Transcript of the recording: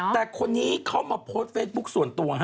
แต่คนนี้เขามาโพสต์เฟซบุ๊คส่วนตัว